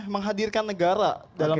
menghadirkan negara dalam